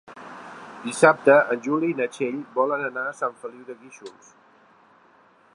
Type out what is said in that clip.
Dissabte en Juli i na Txell volen anar a Sant Feliu de Guíxols.